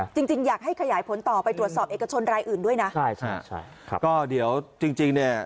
จริงอยากให้เขยายผลต่อไปตรวจสอบเอกชนรายอื่นด้วยนะ